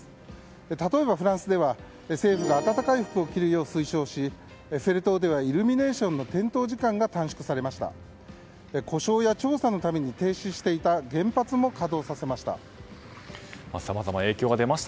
例えば、フランスでは政府が温かい服を着るよう推奨しエッフェル塔ではイルミネーションの点灯時間の短縮されました。